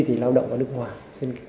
thì lao động ở nước ngoài